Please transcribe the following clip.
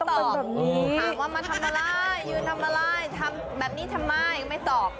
ถามว่ามาทำมาล่ายยืนทำมาล่ายทำแบบนี้ทำไมไม่ตอบ